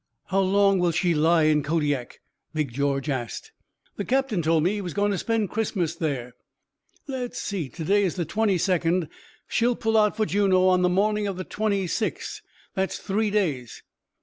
"How long will she lie in Kodiak?" Big George asked. "The captain told me he was going to spend Christmas there. Lefs see to day is the 22nd she'll pull out for Juneau on the morning of the 26th; that's three days."